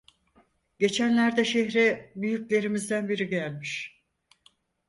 Geçenlerde şehre büyüklerimizden biri gelmiş.